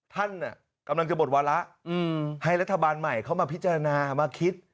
ท่านกำลังจะหมดวาระให้รัฐบาลใหม่เข้ามาพิจารณามาคิด